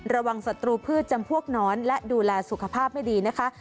ศัตรูพืชจำพวกน้อนและดูแลสุขภาพไม่ดีนะคะ